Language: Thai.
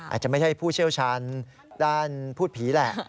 อาจจะไม่ใช่ผู้เชี่ยวชาญด้านพูดผีแหละ